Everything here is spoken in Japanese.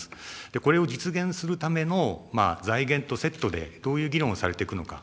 これを実現するための財源とセットで、どういう議論をされていくのか。